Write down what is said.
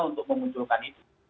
untuk memunculkan itu